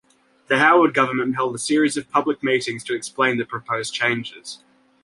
The Howard Government held a series of public meetings to explain the proposed changes.